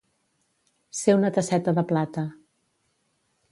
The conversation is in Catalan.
Ser una tasseta de plata.